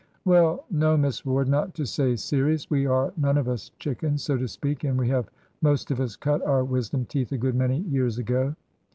"Well, no, Miss Ward, not to say serious we are none of us chickens, so to speak, and we have most of us cut our wisdom teeth a good many years ago.